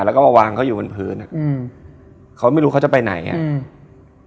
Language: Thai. แล้วก็มาวางเขาอยู่บนพื้นอ่ะอืมเขาไม่รู้เขาจะไปไหนอ่ะอืม